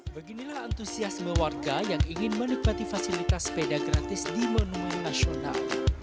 beginilah antusiasme warga yang ingin menikmati fasilitas sepeda gratis di monumen nasional